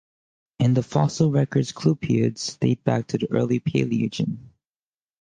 In the fossil record clupeids date back to the early Paleogene.